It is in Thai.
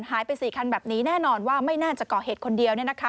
หายไป๔คันแบบนี้แน่นอนว่าไม่น่าจะก่อเหตุคนเดียว